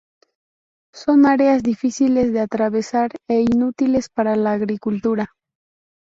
Son áreas difíciles de atravesar, e inútiles para la agricultura.